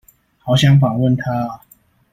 好想訪問他啊！